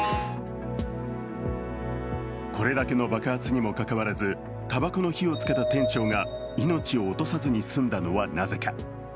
これだけの爆発にもかかわらず、たばこの火をつけた店長が命を落とさずに済んだのはなぜか。